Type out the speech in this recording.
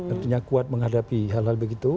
artinya kuat menghadapi hal hal begitu